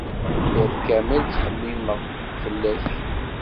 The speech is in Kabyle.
Iḍ kamel, ttxemmimeɣ fell-ak.